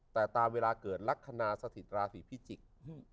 แต่ตามเวลาเกิดลักษณะสถิตราศีพิจิกษ์